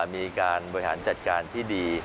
มีการบริหารจัดการที่ดี